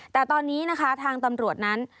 แต่ตอนนี้นะคะทางตำรวจนั้น